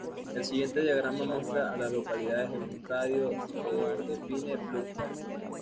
El siguiente diagrama muestra a las localidades en un radio de de Pine Bluffs.